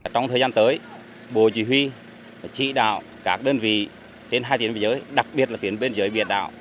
trong thời gian tới bộ chỉ huy chỉ đạo các đơn vị trên hai tuyến biên giới đặc biệt là tuyến biên giới biển đảo